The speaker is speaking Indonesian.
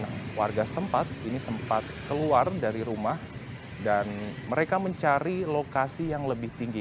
dan warga setempat ini sempat keluar dari rumah dan mereka mencari lokasi yang lebih tinggi